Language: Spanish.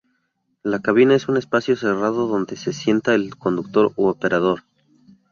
La cabina es un espacio cerrado donde se sienta el conductor o operador.